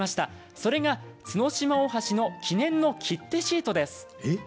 それが角島大橋の記念の切手シートです。